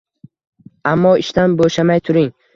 Ammo ishdan bo‘shamay turing.